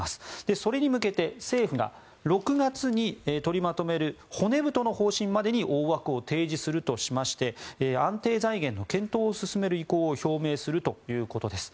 それに向けて政府が６月に取りまとめる骨太の方針までに大枠を提示するとしまして安定財源の検討を進める方針を表明するということです。